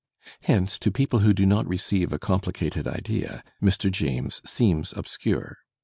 Hence to people who do not receive a complicated idea, Mr. James seems obscure.